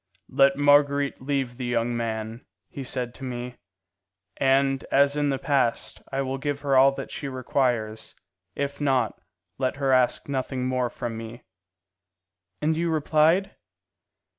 'Let Marguerite leave the young man,' he said to me, 'and, as in the past, I will give her all that she requires; if not, let her ask nothing more from me.'" "And you replied?"